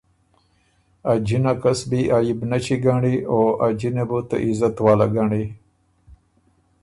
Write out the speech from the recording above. ا جِنه کسبی عئبنچی ګنړی او ا جِنه بُو ته عزت واله ګنړی۔